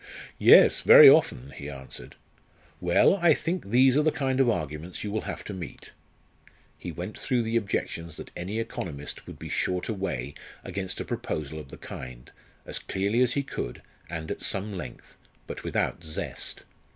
"Yes, very often," he answered. "Well, I think these are the kind of arguments you will have to meet." He went through the objections that any economist would be sure to weigh against a proposal of the kind, as clearly as he could, and at some length but without zest.